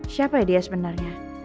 siapa dia sebenarnya